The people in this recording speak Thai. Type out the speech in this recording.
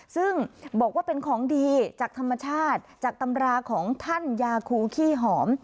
ซึ่งบอกว่าเป็นของดีจากธรรมชาติจากตำราของท่านยาคูขี้หอม